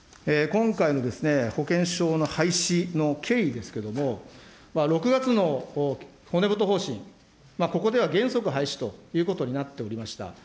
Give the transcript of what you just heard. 今回の保険証の廃止の経緯ですけれども、６月の骨太方針、ここでは原則廃止ということになっておりました。